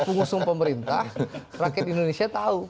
pengusung pemerintah rakyat indonesia tahu